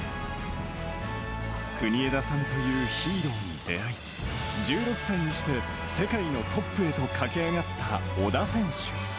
国枝さんというヒーローに出会い、１６歳にして世界のトップへと駆け上がった小田選手。